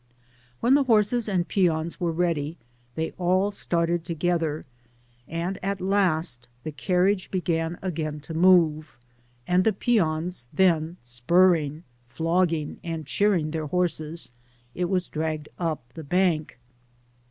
When the horses and peons were ready, they all started together, and at last the carriage began again to move ; and the peons then spurring, flog* ging, and cheering their horses, it was dragged up the bank.